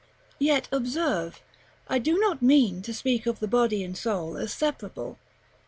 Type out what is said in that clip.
§ VII. Yet observe, I do not mean to speak of the body and soul as separable.